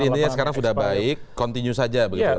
jadi intinya sekarang sudah baik continue saja begitu